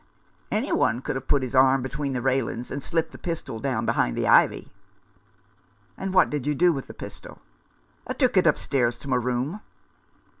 Any one could have put his arm between the railings and slipped the pistol down behind the ivy." " What did you do with the pistol ?"" I took it upstairs to my room."